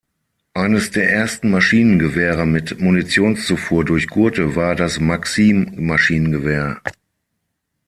Eines der ersten Maschinengewehre mit Munitionszufuhr durch Gurte war das Maxim-Maschinengewehr.